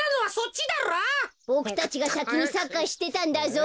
ボクたちがさきにサッカーしてたんだぞ。